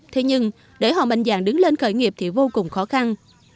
thế nhưng để họ mạnh dạng đứng lên khởi nghiệp thì vô cùng khó khăn